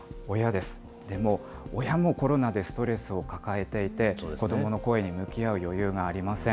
でも親もコロナでストレスを抱えていて、子どもの声に向き合う余裕がありません。